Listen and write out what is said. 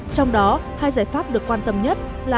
trong đó hai giải pháp được quan tâm nhất là